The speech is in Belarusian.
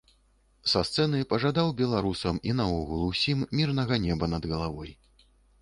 Са сцэны пажадаў беларусам і наогул усім мірнага неба над галавой.